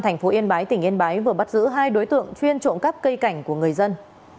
thành phố yên bái tỉnh yên bái vừa bắt giữ hai đối tượng chuyên trộm cắp cây cảnh của người dân